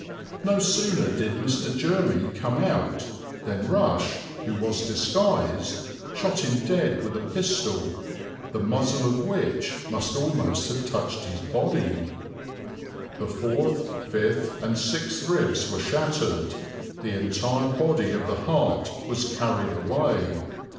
No sooner did Mr. Jermy come out than Rush, who was disguised, shot him dead with a pistol, the muzzle of which must almost have touched his body. "The fourth, fifth, and sixth ribs were shattered, the entire body of the heart was carried away."